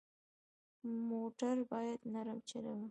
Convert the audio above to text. موټر باید نرم چلوه.